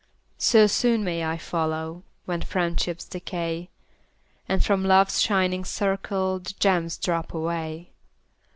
So soon may I follow, When friendships decay, And from Love's shining circle The gems drop away.